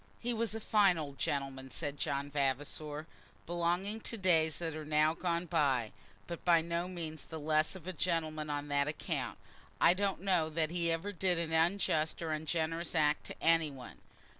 "He was a fine old gentleman," said John Vavasor; "belonging to days that are now gone by, but by no means the less of a gentleman on that account. I don't know that he ever did an unjust or ungenerous act to any one.